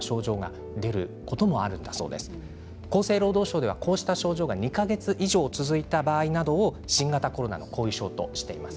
厚生労働省ではこうした症状が２か月以上続いた場合など新型コロナの後遺症としています。